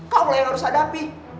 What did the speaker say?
kau lah yang harus hadapi